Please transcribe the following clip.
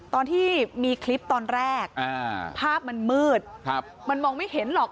ตอนที่มีคลิปตอนแรกภาพมันมืดมันมองไม่เห็นหรอก